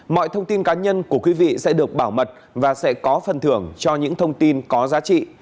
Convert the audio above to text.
mọi thông tin cá nhân của quý vị sẽ được bảo mật và sẽ có phần thưởng cho những thông tin có giá trị